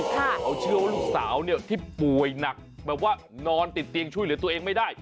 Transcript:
เขาเชื่อว่าลูกสาวที่ป่วยหนักแบบว่านอนติดเตียงช่วยเหลือตัวเองไม่ได้